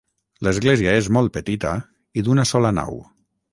L'església és molt petita i d'una sola nau.